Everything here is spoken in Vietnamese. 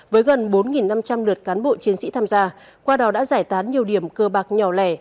với gần bốn năm trăm linh lượt cán bộ chiến sĩ tham gia qua đó đã giải tán nhiều điểm cơ bạc nhỏ lẻ